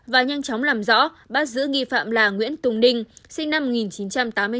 và nhanh chóng làm rõ bắt giữ nghi phạm là nguyễn tùng ninh sinh năm một nghìn chín trăm tám mươi sáu